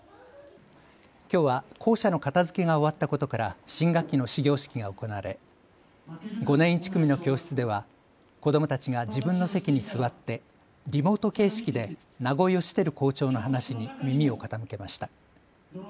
きょうは校舎の片づけが終わったことから新学期の始業式が行われ、５年１組の教室では子どもたちが自分の席に座ってリモート形式で名古善晃校長の話に耳を傾けました。